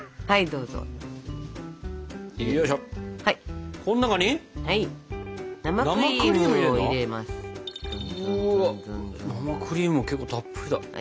うわ生クリームが結構たっぷりだ。